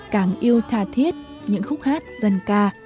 càng yêu thà thiết những khúc hát dân ca